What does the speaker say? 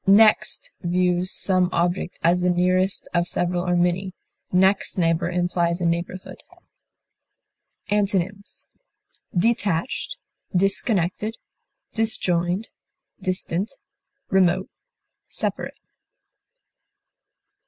Next views some object as the nearest of several or many; next neighbor implies a neighborhood. Antonyms: detached, disconnected, disjoined, distant, remote, separate.